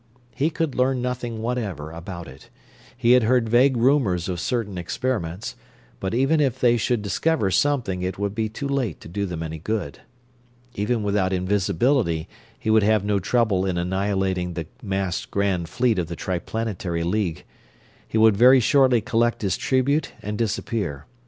He could learn nothing whatever about it. He had heard vague rumors of certain experiments but even if they should discover something it would be too late to do them any good. Even without invisibility he would have no trouble in annihilating the massed Grand Fleet of the Triplanetary League. He would very shortly collect his tribute and disappear.